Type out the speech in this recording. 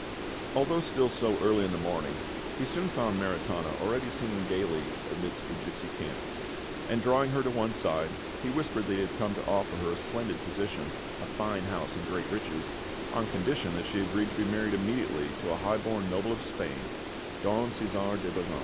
Although still so early in the morning, he soon found Maritana already singing gaily amidst the gipsy camp; and drawing her to one side, he whispered that he had come to offer her a splendid position, a fine house, and great riches, on condition that she agreed to be married immediately to a high born noble of Spain, Don Cæsar de Bazan.